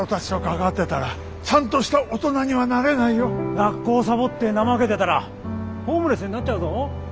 学校サボって怠けてたらホームレスになっちゃうぞ。